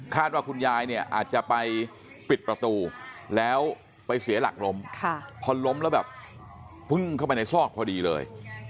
ว่าคุณยายเนี่ยอาจจะไปปิดประตูแล้วไปเสียหลักล้มพอล้มแล้วแบบพุ่งเข้าไปในซอกพอดีเลย